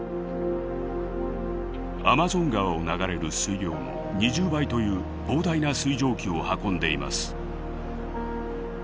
アマゾン川を流れる水量の２０倍という膨大な水蒸気を運んでいます。